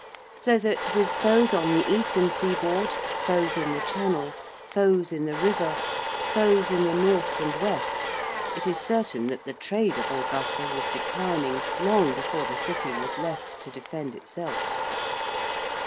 So that, with foes on the eastern seaboard, foes in the Channel, foes in the river, foes in the north and west, it is certain that the trade of Augusta was declining long before the City was left to defend itself.